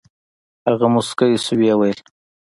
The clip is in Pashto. هغه موسكى سو ويې ويل.